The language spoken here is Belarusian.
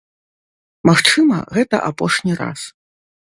Магчыма, гэта апошні раз.